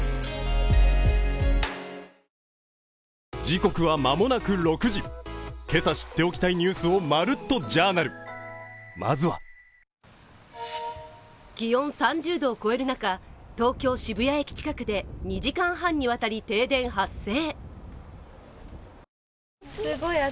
時刻は間もなく６時、今朝知っておきたいニュースを「まるっと！Ｊｏｕｒｎａｌ」、まずは気温３０度を超える中、東京・渋谷駅近くで２時間半にわたり、停電発生。